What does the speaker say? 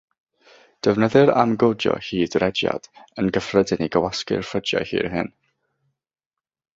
Defnyddir amgodio hyd rhediad yn gyffredin i gywasgu'r ffrydiau hir hyn.